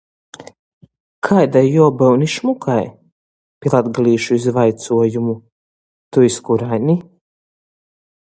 Kaidai juobyun i šmukai... Pi latgalīšu iz vaicuojumu: Tu iz kuraini?